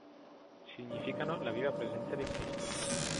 Significano la viva presenza di Cristo.